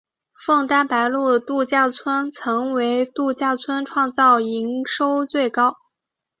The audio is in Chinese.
枫丹白露度假村曾为度假村创造营收新高。